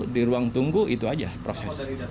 di ruang tunggu itu aja proses